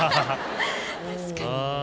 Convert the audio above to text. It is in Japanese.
確かに。